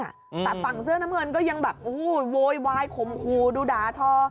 แต่ฝั่งเสื้อน้ำเงินก็ยังแบบโวยวายคมคูดูดาทอ